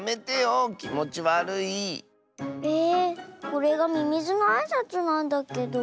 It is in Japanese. これがミミズのあいさつなんだけど。